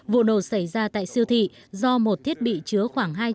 vụ nổ xảy ra tại siêu thị do một thiết bị chứa khoảng hai trăm linh